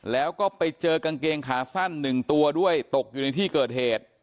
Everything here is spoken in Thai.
แล้วก็ไปเจอกางเกงขาสั้นหนึ่งตัวด้วยตกอยู่ในที่เกิดเหตุ